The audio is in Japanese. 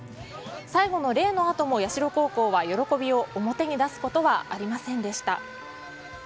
最後の礼のあとも社高校は喜びを表に出すことはありませんでした。